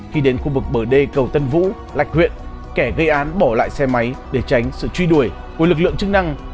khi đến khu vực bờ đê cầu tân vũ lạch huyện kẻ gây án bỏ lại xe máy để tránh sự truy đuổi của lực lượng chức năng